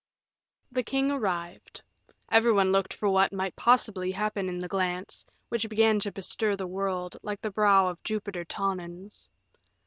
The king arrived. Every one looked for what might possibly happen in the glance, which began to bestir the world, like the brow of Jupiter Tonans.